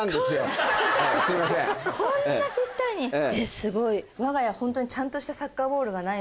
すごい。